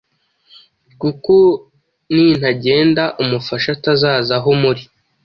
kuko nintagenda umufasha atazaza aho muri: